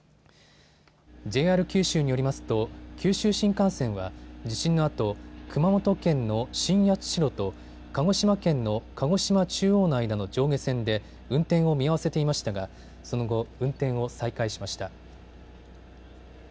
ＪＲ九州によりますと九州新幹線は地震のあと熊本県の新八代と鹿児島県の鹿児島中央の間の上下線で運転を見合わせていましたがその後、運転を再開しました。